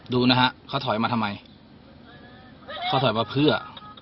ดูนะฮะเขาถอยมาทำไมเขาถอยมาเพื่อ